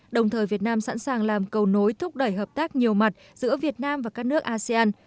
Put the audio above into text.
đồng thời việt nam sẵn sàng làm cầu nối thúc đẩy hợp tác nhiều mặt giữa việt nam và các nước asean